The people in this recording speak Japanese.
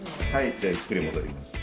じゃあゆっくり戻ります。